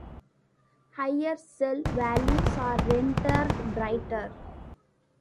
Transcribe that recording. Higher cell values are rendered brighter.